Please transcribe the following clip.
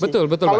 betul betul bang